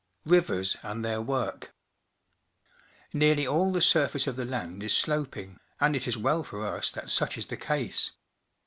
Rivers and their Work. — Nearly all the surface of the land is sloping, and it is well for us that such is the case.